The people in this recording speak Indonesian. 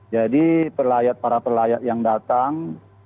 jadi para pelayat yang datang